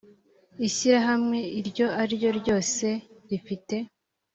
ishyirahamwe iryo ari ryo ryose rifite